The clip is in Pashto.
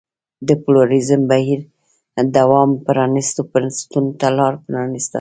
د پلورالېزم د بهیر دوام پرانیستو بنسټونو ته لار پرانېسته.